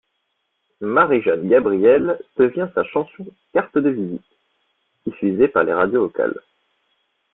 Marie-Jeanne-Gabrielle devient sa chanson carte de visite, diffusé par les radios locales.